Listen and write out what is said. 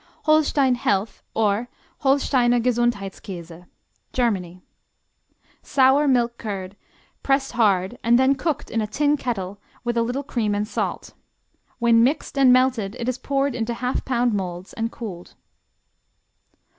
Holstein Health, or Holsteiner Gesundheitkäse Germany Sour milk curd pressed hard and then cooked in a tin kettle with a little cream and salt. When mixed and melted it is poured into half pound molds and cooled.